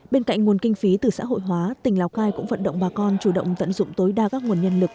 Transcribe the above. bên cạnh nguồn kinh phí từ xã hội hóa tỉnh lào cai cũng vận động bà con chủ động tận dụng tối đa các nguồn nhân lực